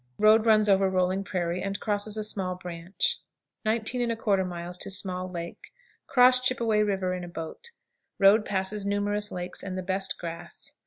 Road runs over rolling prairie, and crosses a small branch. 19 1/4. Small Lake. Cross Chippeway River in a boat. Road passes numerous lakes and the best grass.